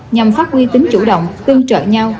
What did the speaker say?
nhằm phát huy tính chủ động tương trợ nhau